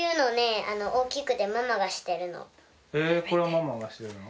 へぇママがしてるの？